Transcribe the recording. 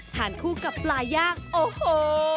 ทานคู่กับปลาย่างโอ้โห